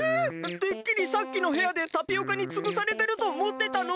てっきりさっきのへやでタピオカにつぶされてるとおもってたのに！